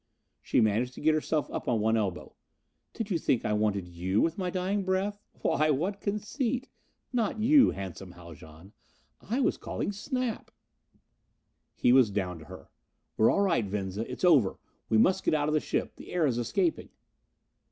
She managed to get herself up on one elbow. "Did you think I wanted you with my dying breath? Why, what conceit! Not you, Handsome Haljan! I was calling Snap." He was down to her. "We're all right, Venza. It's over. We must get out of the ship the air is escaping."